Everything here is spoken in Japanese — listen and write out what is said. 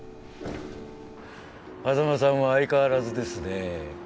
波佐間さんは相変わらずですね